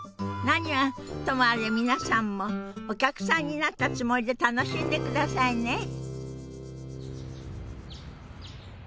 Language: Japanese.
何はともあれ皆さんもお客さんになったつもりで楽しんでくださいね。